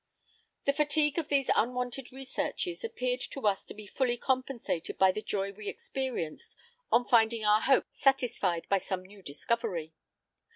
The fatigue of these unwonted researches appeared to us to be fully compensated by the joy we experienced on finding our hopes satisfied by some new discovery.